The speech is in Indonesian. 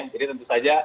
jadi tentu saja